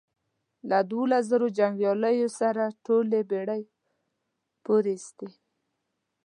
له دوولس زرو جنګیالیو سره ټولې بېړۍ پورېستې.